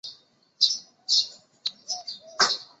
是一款由卡普空公司制作和发行的格斗类游戏。